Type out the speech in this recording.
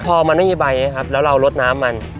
พอมันไม่มีใบนะครับแล้วเราลดน้ำมัน